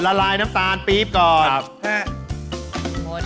ละลายน้ำตาลปี๊บก่อน